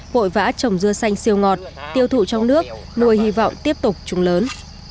hội vã trồng dưa xanh siêu ngọt tiêu thụ trong nước nuôi hy vọng tiếp tục trùng lớn